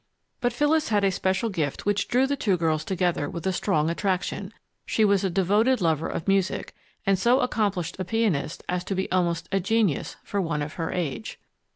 But Phyllis had a special gift which drew the two girls together with a strong attraction: she was a devoted lover of music and so accomplished a pianist as to be almost a genius for one of her age.